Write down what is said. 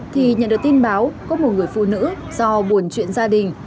thì nhận được tin báo có một người phụ nữ do buồn chuyện gia đình